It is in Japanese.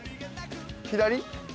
左？